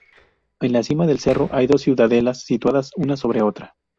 En la cima del cerro hay dos ciudadelas, situadas una sobre otra.